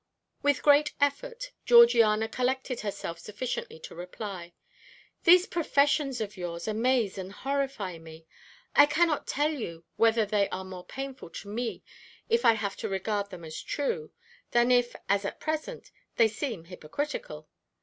With great effort, Georgiana collected herself sufficiently to reply: "These professions of yours amaze and horrify me. I cannot tell you whether they are more painful to me if I have to regard them as true, than if, as at present, they seem hypocritical.